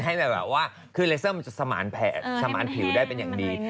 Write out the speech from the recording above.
ให้แบบว่าเลเซอร์จะข้มานแผลสมาร้านผิวได้เป็นอย่างดี